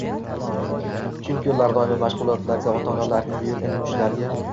chunki ular doimo mashg‘ulotlarga, ota-onalarning buyurgan yumushlariga